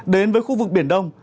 đến với khu vực biển đông